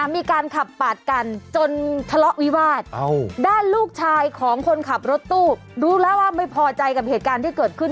มีการขับปาดกันจนทะเลาะวิวาสด้านลูกชายของคนขับรถตู้รู้แล้วว่าไม่พอใจกับเหตุการณ์ที่เกิดขึ้น